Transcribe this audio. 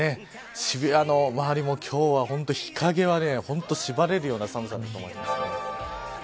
渋谷の周りも今日は日陰は本当にしばれるような寒さだと思います。